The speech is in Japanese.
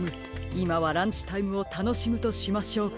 いまはランチタイムをたのしむとしましょうか。